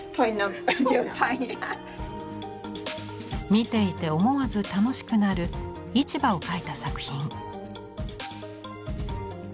見ていて思わず楽しくなる「市場」を描いた作品。